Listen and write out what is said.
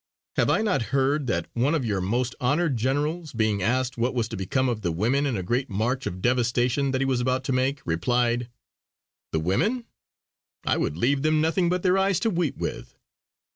Have I not heard that one of your most honoured generals, being asked what was to become of the women in a great march of devastation that he was about to make, replied, "The women? I would leave them nothing but their eyes to weep with!"